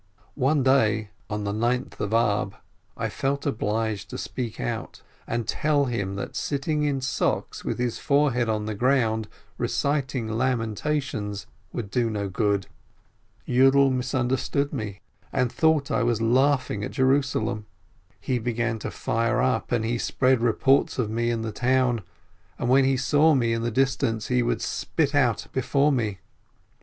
One day, on the Ninth of Ab, I felt obliged to speak out, and tell him that sitting in socks, with his forehead on the ground, reciting Lamentations, would do no good. Yiidel misunderstood me, and thought I was laughing at Jerusalem. He began to fire up, and he spread reports of me in the town, and when he saw me in the distance, he would spit out before me.